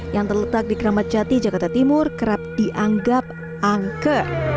yang terletak di keramat jati jakarta timur kerap dianggap angke